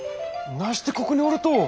なしてここにおると！